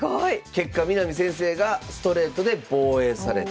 結果南先生がストレートで防衛された。